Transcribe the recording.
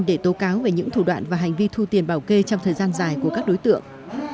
để tố cáo về những thủ đoạn và hành vi thu tiền bảo kê trong thời gian dài của các đối tượng